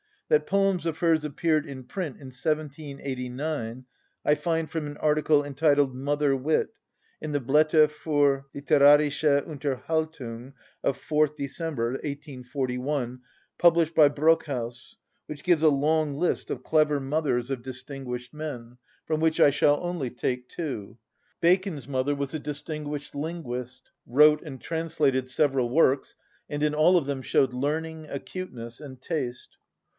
That poems of hers appeared in print in 1789 I find from an article entitled "Mother‐ wit," in the Blätter für litterarische Unterhaltung of 4th October 1841, published by Brockhaus, which gives a long list of clever mothers of distinguished men, from which I shall only take two: "Bacon's mother was a distinguished linguist, wrote and translated several works, and in all of them showed learning, acuteness, and taste.